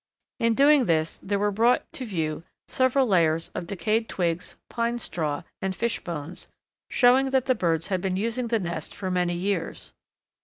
In doing this there were brought to view several layers of decayed twigs, pine straw, and fish bones, showing that the birds had been using the nest for many years.